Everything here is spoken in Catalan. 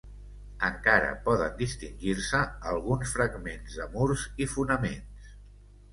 Encara poden distingir-se alguns fragments de murs i fonaments.